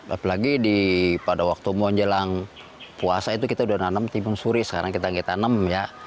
apalagi pada waktu mau jelang puasa itu kita sudah nanam timun suri sekarang kita lagi tanam ya